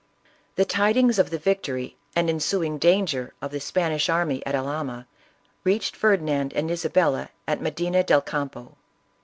The lyings of the victory and ensuing danger of the Spanish army at Alhama, reached Ferdinand and Isa» bella at Medina del Campo.